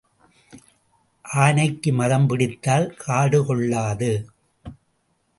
ஆனைக்கு மதம் பிடித்தால் காடு கொள்ளாது.